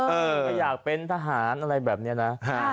ถ้าอยากเป็นทหารอะไรแบบนี้นะ